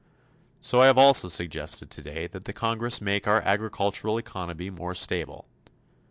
So I have also suggested today that the Congress make our agricultural economy more stable.